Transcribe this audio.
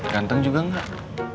ganteng juga gak